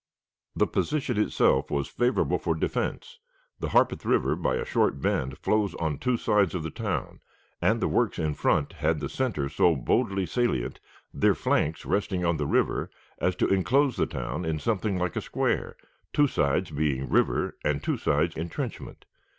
The position itself was favorable for defense; the Harpeth River by a short bend flows on two sides of the town, and the works in front had the center so boldly salient, their flanks resting on the river, as to inclose the town in something like a square, two sides being river and two sides intrenchment.